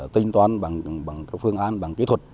tinh toán bằng cái phương án bằng kỹ thuật